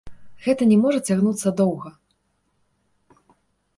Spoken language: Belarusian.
Гэта не можа цягнуцца доўга.